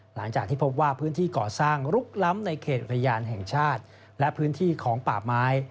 หลังจากที่พบว่าพื้นที่ก่อสร้างลุกล้ำในเขตอุทยานแห่งชาติและพื้นที่ของป่าไม้